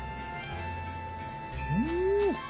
うん。